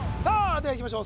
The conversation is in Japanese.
ではいきましょう